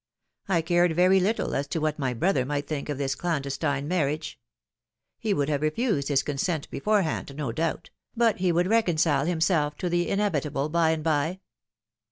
I cared very little as to what my brother might think of this clandestine marriage. He would have refused his consent beforehand, no doubt, but he would reconcile himself to the inevitable by and by.